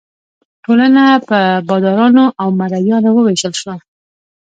ټولنه په بادارانو او مرئیانو وویشل شوه.